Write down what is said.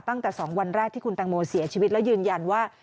ตั้งแต่๒วันแรกที่คุณตังโมเสียชีวิตแล้วยืนยันว่า